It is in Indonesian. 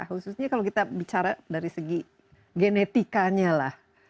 khususnya kalau kita bicara dari segi genetikanya lah